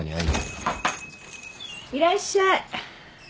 いらっしゃい